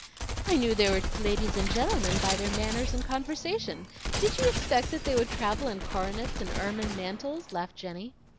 "I knew they were ladies and gentlemen by their manners and conversation; did you expect they would travel in coronets and ermine mantles?" laughed Jenny.